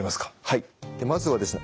はいまずはですね